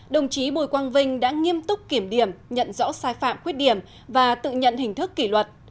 đồng chí bùi quang vinh đã nghiêm túc kiểm điểm nhận rõ sai phạm khuyết điểm và tự nhận hình thức kỷ luật